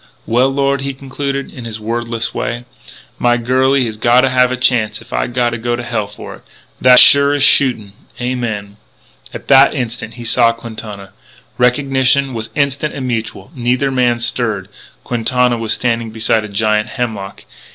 "Well, Lord," he concluded, in his wordless way, "my girlie has gotta have a chance if I gotta go to hell for it. That's sure as shootin'.... Amen." At that instant he saw Quintana. Recognition was instant and mutual. Neither man stirred. Quintana was standing beside a giant hemlock.